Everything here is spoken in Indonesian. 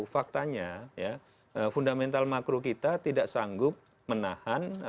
faktanya ya fundamental makro kita tidak sanggup menahan